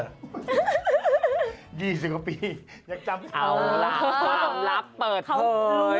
๒๐กว่าปียังจำเอาล่ะความลับเปิดเผย